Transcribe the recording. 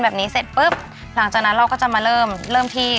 พื้นผิว๒อย่างเนี่ยค่ะ